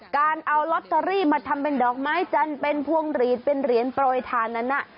การเอาลอตเตอรี่มาทำเป็นดอกไม้จันทร์เป็นพวงหลีดเป็นเหรียญโปรยทานนั้นน่ะ